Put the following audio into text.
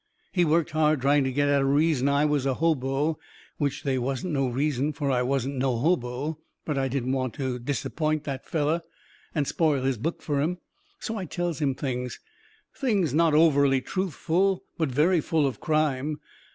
He worked hard trying to get at the reason I was a hobo. Which they wasn't no reason, fur I wasn't no hobo. But I didn't want to disappoint that feller and spoil his book fur him. So I tells him things. Things not overly truthful, but very full of crime.